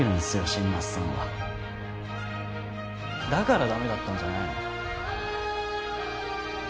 新町さんはだからダメだったんじゃないの？